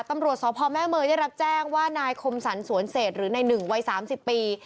ตำรวจสพแม่เมยได้รับแจ้งว่านายคมสรรสวนเศษหรือนายหนึ่งวัย๓๐ปี